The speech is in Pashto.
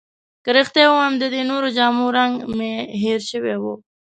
که رښتیا ووایم، د دې نورو جامو رنګ مې هیر شوی وو.